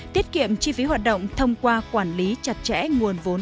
tiết kiệm chi phí hoạt động thông qua quản lý chặt chẽ nguồn vốn